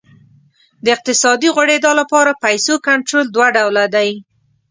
د اقتصادي غوړېدا لپاره پیسو کنټرول دوه ډوله دی.